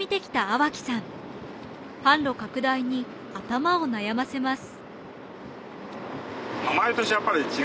販路拡大に頭を悩ませます。